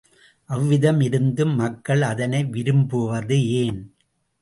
அவ்விதம் இருந்தும் மக்கள் அதனை விரும்புவது ஏன்?